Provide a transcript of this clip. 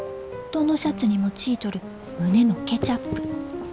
どのシャツにもちいとる胸のケチャップ。